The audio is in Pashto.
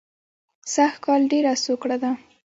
سږ کال ډېره سوکړه ده